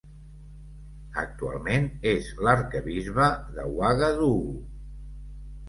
Actualment és l'arquebisbe d'Ouagadougou.